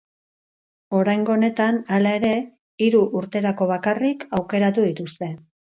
Oraingo honetan, hala ere, hiru urterako bakarrik aukeratu dituzte.